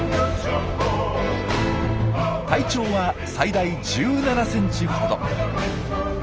体長は最大１７ｃｍほど。